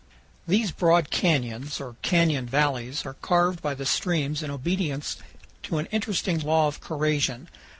These broad canyons, or canyon valleys, are carved by the streams in obedience to an interesting law of corrasion.